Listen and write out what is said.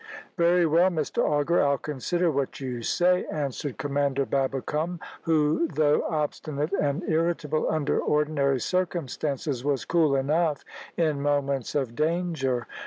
"Very well, Mr Auger, I'll consider what you say," answered Commander Babbicome; who, though obstinate and irritable under ordinary circumstances, was cool enough in moments of danger.